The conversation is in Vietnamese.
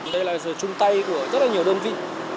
đây là sự chung tay của rất nhiều đơn vị